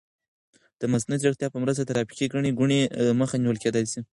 د مصنوعي ځیرکتیا په مرسته د ترافیکي ګڼې ګوڼې مخه نیول کیدای شي.